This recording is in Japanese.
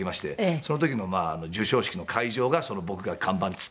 その時の授賞式の会場が僕が看板つってたホテルだった。